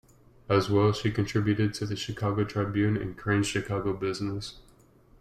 As well, she contributed to the "Chicago Tribune" and "Crain's Chicago Business".